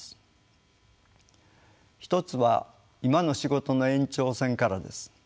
一つは今の仕事の延長線からです。